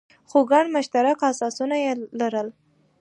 خو ګڼ مشترک اساسونه یې لرل.